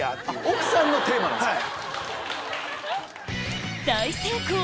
奥さんのテーマなんですか！